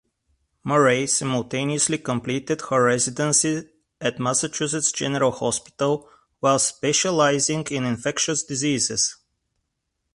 Murray simultaneously completed her residency at Massachusetts General Hospital while specialising in infectious diseases.